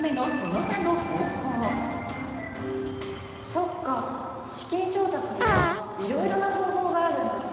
そっか資金調達にはいろいろな方法があるんだ。